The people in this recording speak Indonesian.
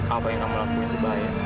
apa yang kamu lakukan itu bahaya